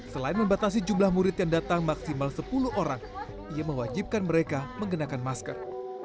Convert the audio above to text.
selain membatasi jumlah murid yang datang maksimal sepuluh orang ia mewajibkan mereka mengenakan masker